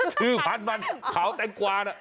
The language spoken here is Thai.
ชื่อพันธุ์มันขาวแตงกวานะ